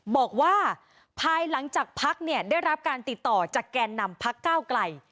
บอกว่าภายหลังจากพักเนี่ยได้รับการติดต่อจากแกนนำพักก้าวไกล